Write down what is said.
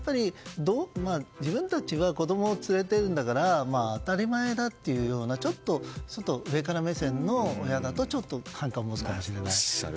自分たちは子供を連れているから当たり前だというようなちょっと上から目線の親だと反感を持つかもしれない。